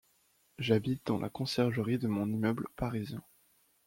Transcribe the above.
j'habite dans la conciergerie de mon immeuble parisien.